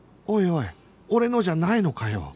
おいおい俺のじゃないのかよ